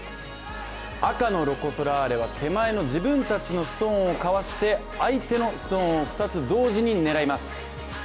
赤のロコ・ソラーレは手前の自分たちのストーンをかわして相手のストーンを２つ同時に狙います。